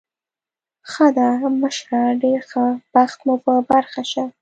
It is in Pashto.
ښه ده، مشره، ډېر ښه بخت مو په برخه شه.